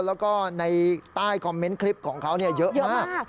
แล้วก็ในใต้คอมเมนต์คลิปของเขาเยอะมาก